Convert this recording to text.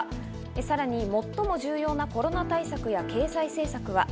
さらに最も重要なコロナ対策や経済政策は。